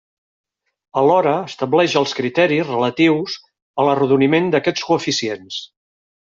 Alhora estableix els criteris relatius a l'arrodoniment d'aquests coeficients.